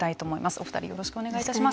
お２人よろしくお願いいたします。